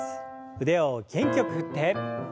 腕を元気よく振って。